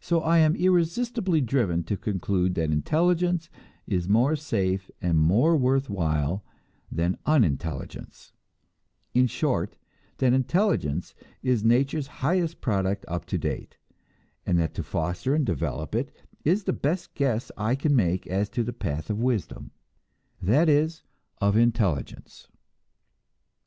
So I am irresistibly driven to conclude that intelligence is more safe and more worth while than unintelligence; in short, that intelligence is nature's highest product up to date, and that to foster and develop it is the best guess I can make as to the path of wisdom that is, of intelligence!